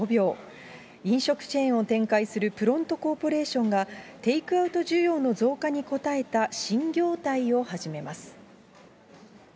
飲食チェーンを展開するプロントコーポレーションが、テイクアウト需要の増加に備えた新業態を始めます。